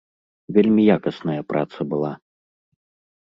Вельмі якасная праца была.